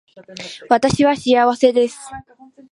私は幸せです